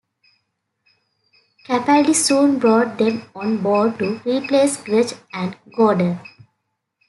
Capaldi soon brought them on board to replace Grech and Gordon.